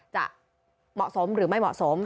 จะเหมาะสมหรือไม่เหมาะสม